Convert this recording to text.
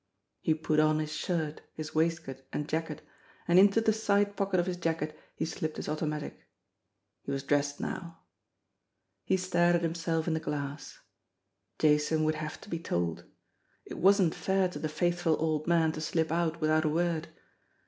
He put on his shirt, his waistcoat and jacket, and into the side pocket of his jacket he slipped his automatic. He was dressed now. He stared at himself in the glass. Jason would have to be told. It wasn't fair to the faithful old man to slip out without a word.